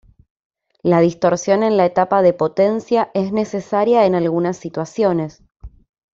La distorsión en la etapa de potencia es necesaria en algunas situaciones.